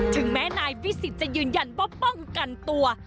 ถึงแม้นายวิสิทธิ์จะยืนยันว่าป้องกันตัว